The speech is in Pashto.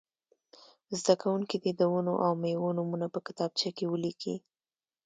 زده کوونکي دې د ونو او مېوو نومونه په کتابچه کې ولیکي.